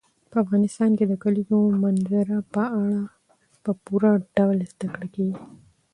په افغانستان کې د کلیزو منظره په اړه په پوره ډول زده کړه کېږي.